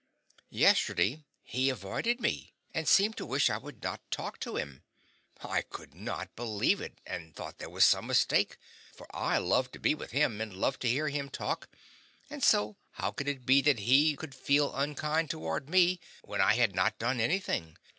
Yesterday he avoided me and seemed to wish I would not talk to him. I could not believe it, and thought there was some mistake, for I loved to be with him, and loved to hear him talk, and so how could it be that he could feel unkind toward me when I had not done anything?